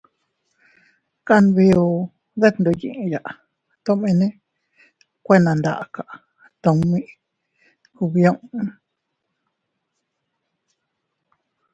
Kanbiu detndoyiya tomene kuena ndaka tummi kubiuu.